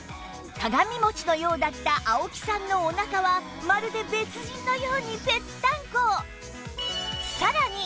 鏡餅のようだった青木さんのおなかはまるで別人のようにぺったんこ！